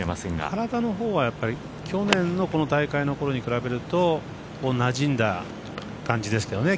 体のほうはやっぱり去年のこの大会のころと比べるとなじんだ感じですけどね